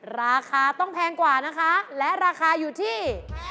ราคาต้องแพงกว่านะคะและราคาอยู่ที่